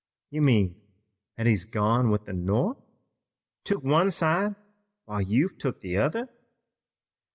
"You mean that he's gone with the North, took one side while you've took the other?"